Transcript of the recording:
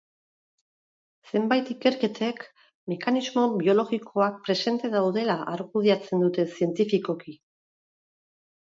Zenbait ikerketek mekanismo biologikoak presente daudela argudiatzen dute zientifikoki.